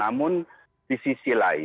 namun di sisi lain sekali lagi